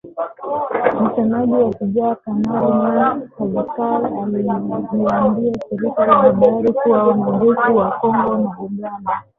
Msemaji wa Shujaa Kanali Mak Hazukay aliliambia shirika la habari kuwa majeshi ya Kongo na Uganda